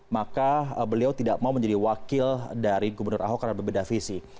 maka beliau tidak mau menjadi wakil dari gubernur ahok karena berbeda visi